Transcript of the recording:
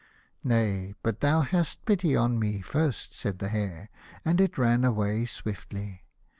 " Nay, but thou hadst pity on me first," said the Hare, and it ran away swiftly.